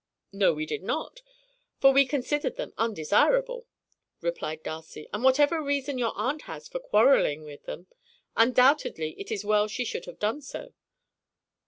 "No, we did not, for we considered them undesirable," replied Darcy, "and whatever reason your aunt has for quarreling with them, undoubtedly it is well she should have done so."